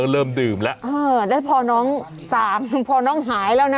เริ่มดื่มแล้วเออแล้วพอน้องสามพอน้องหายแล้วนะ